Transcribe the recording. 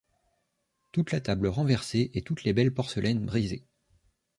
Toute la table renversée, et toutes les belles porcelaines brisées.